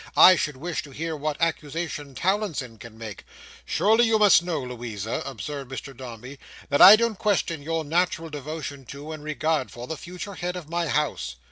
I should wish to hear what accusation Towlinson can make!" "Surely you must know, Louisa," observed Mr Dombey, "that I don't question your natural devotion to, and regard for, the future head of my house."